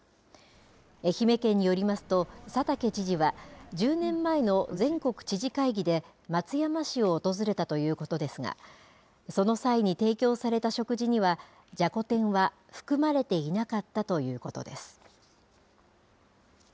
愛媛県によりますと、佐竹知事は、１０年前の全国知事会議で、松山市を訪れたということですが、その際に提供された食事には、じゃこ天は含まれていなかったということです。